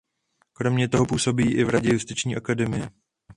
Kromě toho působí i v Radě Justiční akademie.